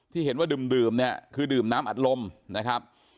ที่เห็นว่าดื่มเนี่ยคือดื่มน้ำอัดลมนะครับ